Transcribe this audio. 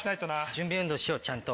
準備運動しようちゃんと。